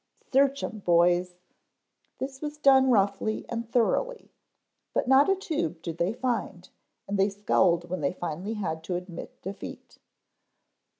Search 'em boys." This was done roughly and thoroughly but not a tube did they find and they scowled when they finally had to admit defeat.